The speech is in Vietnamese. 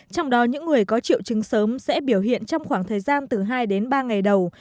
trong đó những người có triệu chứng sớm sẽ biểu hiện trong khoảng thời gian từ hai đến ba ngày đầu